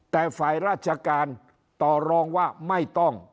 แต่ฝ่ายราชการต่อรองว่าไม่ต้อง